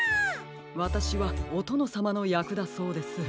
わたしはおとのさまのやくだそうです。